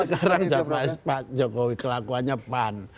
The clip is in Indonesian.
sekarang pak jokowi kelakuannya pan